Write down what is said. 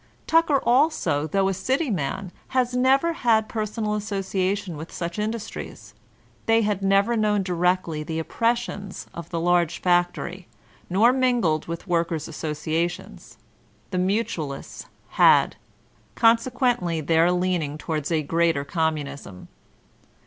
Tucker also, though a city man, has never had personal association with such industries. They had never known directly the oppressions of the large fac tory, nor mingled with workers' associations. The Mu tualists had ; consequently their leaning towards a greater QmuDunism.